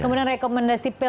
kemudian rekomendasi pelbaga